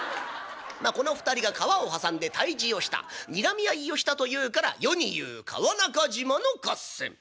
「まあこの２人が川を挟んで対峙をしたにらみ合いをしたというから世に言う川中島の合戦。